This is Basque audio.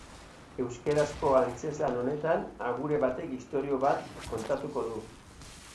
Euskarazko antzezlan honetan agure batek istorio bat kontatuko du.